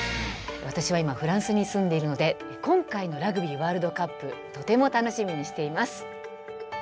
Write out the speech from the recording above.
私は、今フランスに住んでいるので今回のラグビーワールドカップとても楽しみにしています。